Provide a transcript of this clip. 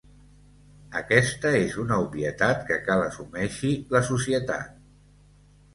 Aquesta és una obvietat que cal assumeixi la societat.